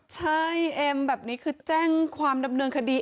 ใช่เอ็มแบบนี้คือแจ้งความดำเนินคดี